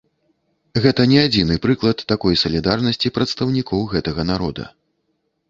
Гэта не адзіны прыклад такой салідарнасці прадстаўнікоў гэтага народа.